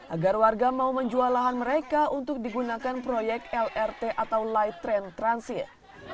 agar warga mau menjual lahan mereka untuk digunakan proyek lrt atau light rail transit